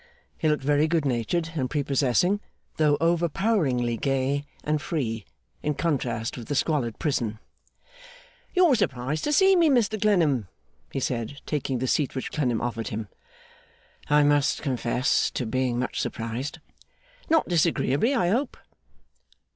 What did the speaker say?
He looked very good natured and prepossessing, though overpoweringly gay and free, in contrast with the squalid prison. 'You are surprised to see me, Mr Clennam,' he said, taking the seat which Clennam offered him. 'I must confess to being much surprised.' 'Not disagreeably, I hope?